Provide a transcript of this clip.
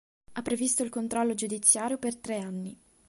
Ha previsto il controllo giudiziario per tre anni.